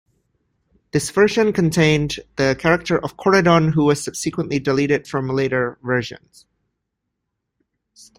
This version contained the character of Coridon who was subsequently deleted from later versions.